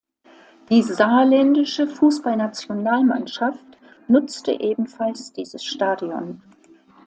Die saarländische Fußballnationalmannschaft nutzte ebenfalls dieses Stadion.